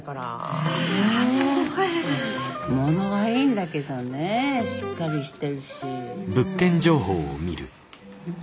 あものはいいんだけどねぇしっかりして。